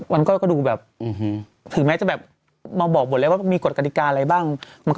มันก็ดูแบบถึงแม้จะแบบมาบอกหมดเลยว่ามีกฎกฎิกาอะไรบ้าง